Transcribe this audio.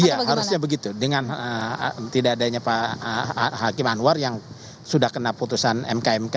iya harusnya begitu dengan tidak adanya pak hakim anwar yang sudah kena putusan mk mk